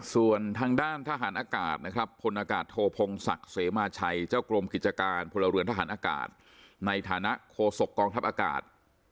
ส่วนทางด้านทหารอากาศนะครับพลอากาศโทพงศักดิ์เสมาชัยเจ้ากรมกิจการพลเรือนทหารอากาศในฐานะโคศกกองทัพอากาศ